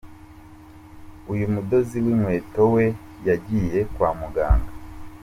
Uyu mudozi w’inkweto we yagiye kwa muganga.